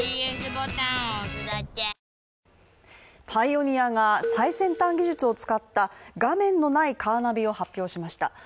パイオニアが最先端技術を使った画面のないカーナビを発表しました。